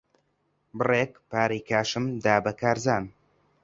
بڕێک پارەی کاشم دا بە کارزان.